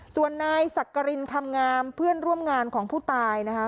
ส่วนนายสักกรินคำงามเพื่อนร่วมงานของผู้ตายนะคะ